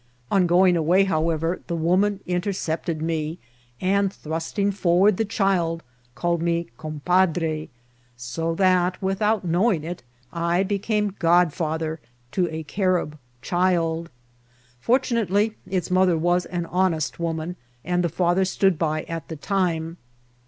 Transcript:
On going away, however, the woman intercepted me, and, thrusting forward the child, called me compadre ; so that, with out knowing it, I became godfather to a Carib child ; fortunately, its mother was an honest woman, and the father stood by at the time.